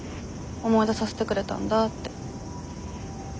思い出させてくれたんだって。